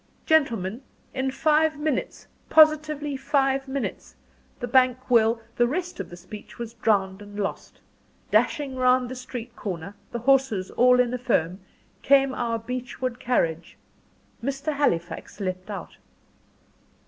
"Gentlemen, in five minutes positively five minutes the bank will " The rest of the speech was drowned and lost. Dashing round the street corner, the horses all in a foam, came our Beechwood carriage. Mr. Halifax leaped out.